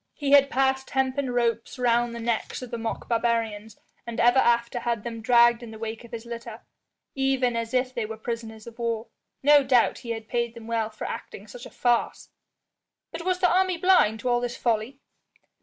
He had passed hempen ropes round the necks of the mock barbarians, and ever after had them dragged in the wake of his litter, even as if they were prisoners of war. No doubt he had paid them well for acting such a farce." "But was the army blind to all this folly?"